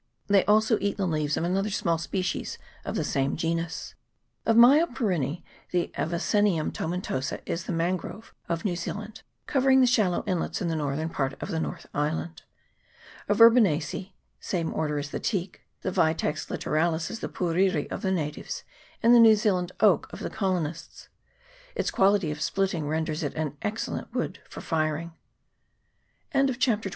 They also eat the leaves of another small species of the same genus. Of Myoporinece, the Avicennia tomentosa is the Man grove of New Zealand, covering the shallow inlets in the northern part of the North Island. Of Verbenacea (same order as the teak), theVitex litto ralis is the Puriri of the natives and the New Zealand oak of the colonists. Its quality of splitting renders it an ex cellent wood for firing. END OF VOLUME I.